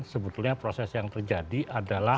sebetulnya proses yang terjadi adalah